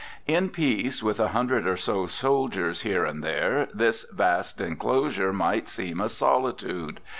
In peace, with a hundred or so soldiers here and there, this vast inclosure might seem a solitude.